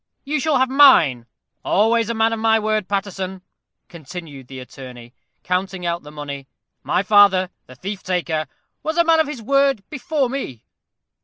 You shall have mine always a man of my word, Paterson," continued the attorney, counting out the money. "My father, the thief taker, was a man of his word before me."